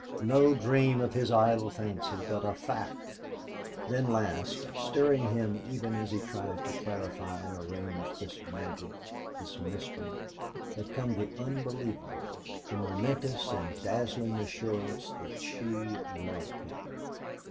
No dream of his idle fancy, but a fact! Then last stirring him even as he tried to clarify and arrange this magic, this mystery had come the unbelievable, the momentous and dazzling assurance that she loved him.